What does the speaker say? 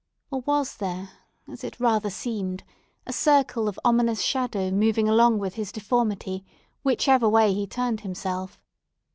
Or was there, as it rather seemed, a circle of ominous shadow moving along with his deformity whichever way he turned himself?